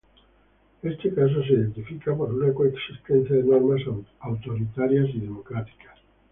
Este caso se identifica por una coexistencia de normas autoritarias y democráticas.